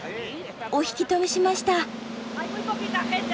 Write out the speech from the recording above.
お引き止めしました。